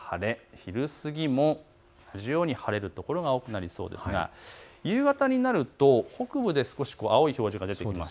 昼過ぎも晴れる所が多くなりそうですが夕方になると北部で少し青い表示が出てきます。